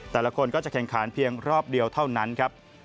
แต่ละคนก็จะแข่งขันเพียงรอบเดียวเท่านั้นครับ